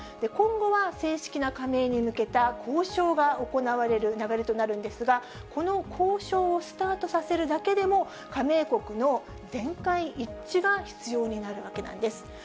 今後は正式な加盟に向けた、交渉が行われる流れとなるんですが、この交渉をスタートさせるだけでも、加盟国の全会一致が必要になるわけなんです。